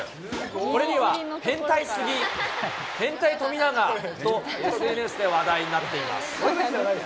これには、変態過ぎ、変態富永と、ＳＮＳで話題になっています。